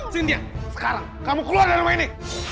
sindia sekarang kamu keluar dari rumah ini